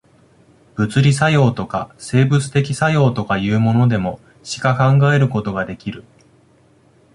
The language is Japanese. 物理作用とか、生物的作用とかいうものでも、しか考えることができる。